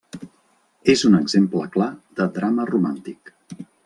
És un exemple clar de drama romàntic.